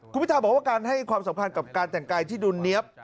คุณพิทาบอกว่าการให้ความสำคัญกับการแต่งกายที่ดุลเนี๊ยบ